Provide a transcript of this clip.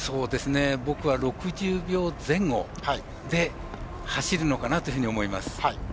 僕は６０秒前後で走るのかなというふうに思います。